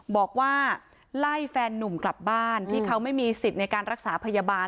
บอกว่าไล่แฟนนุ่มกลับบ้านที่เขาไม่มีสิทธิ์ในการรักษาพยาบาล